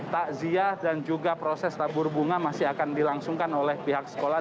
takziah dan juga proses tabur bunga masih akan dilangsungkan oleh pihak sekolah